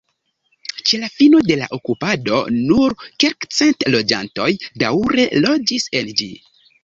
Ĉe la fino de la okupado nur kelkcent loĝantoj daŭre loĝis en ĝi.